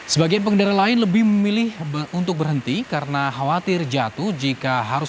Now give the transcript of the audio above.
sebagian pengendara lain lebih memilih untuk berhenti karena khawatir jatuh jika harus